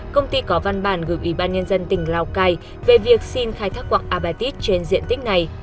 công ty có văn bản gửi ủy ban nhân dân tỉnh lào cai về việc xin khai thác quạng abatit trên diện tích này